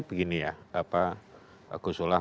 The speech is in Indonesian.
begini ya bapak gusullah